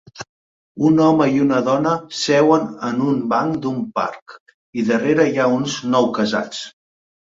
Un home i una dona seuen en un banc d'un parc, i darrera hi ha uns noucasats.